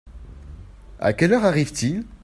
À quelle heure arrive-t-il ?